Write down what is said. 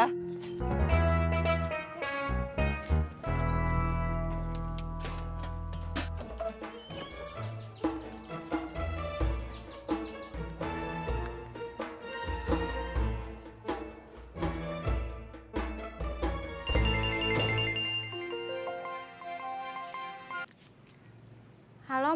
pokok bram sempurna